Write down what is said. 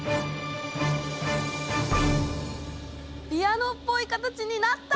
ピアノっぽい形になった！